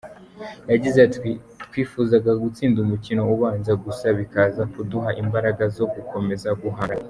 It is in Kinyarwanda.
Yagize ati ”Twifuzaga gutsinda umukino ubanza gusa bikaza kuduha imbaraga zo gukomeza guhangana.